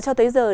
cho tới giờ